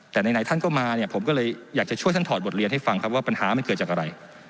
แต่ไหนท่านก็มาเนี่ยผมก็เลยอยากจะช่วยท่านถอดบทเรียนให้ฟังครับว่าปัญหามันเกิดจากอะไร